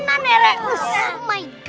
saya tahu wabitenan rek